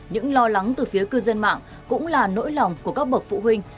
những lo lắng từ phía cư dân mạng cũng là nỗi lòng của các bậc phụ huynh